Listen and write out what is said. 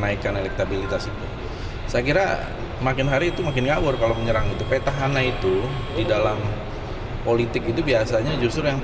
dia berbicara ini yang sudah